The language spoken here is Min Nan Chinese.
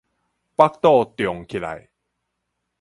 腹肚脹起來